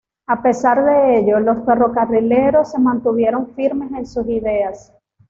A pesar de ello, los ferrocarrileros se mantuvieron firmes en sus ideas.